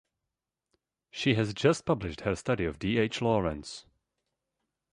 She has just published her study of D. H. Lawrence.